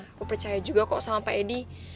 aku percaya juga kok sama pak edi